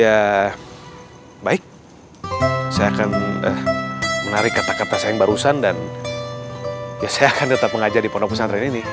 ya baik saya akan menarik kata kata saya yang barusan dan ya saya akan tetap mengajar di pondok pesantren ini